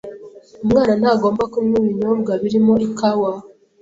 umwana ntagomba kunywa ibinyobwa birimo ikawa